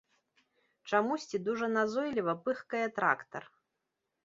Чамусьці дужа назойліва пыхкае трактар.